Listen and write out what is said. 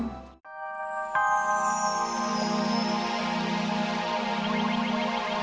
terima kasih banyak